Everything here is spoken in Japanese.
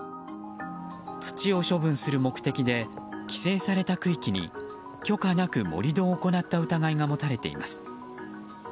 土を処分する目的で規制された区域に許可なく盛り土を行った疑いが持たれています。